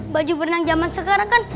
baju berenang zaman sekarang kan